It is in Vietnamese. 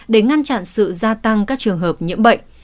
để ngăn chặn sự gia tăng các trường hợp nhiễm bệnh